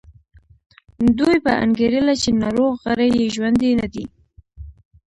دوی به انګېرله چې ناروغ غړي یې ژوندي نه دي.